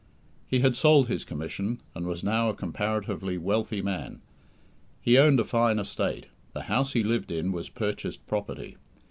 He had sold his commission, and was now a comparatively wealthy man. He owned a fine estate; the house he lived in was purchased property.